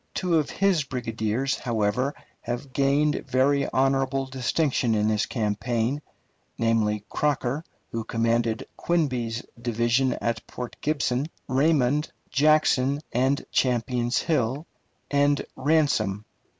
Two of his brigadiers, however, have gained very honorable distinction in this campaign, namely Crocker, who commanded Quinby's division at Port Gibson, Raymond, Jackson, and Champion's Hill, and Ransom.